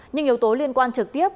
nhưng yếu tố liên quan trực tiếp